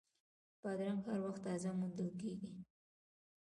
بادرنګ هر وخت تازه موندل کېږي.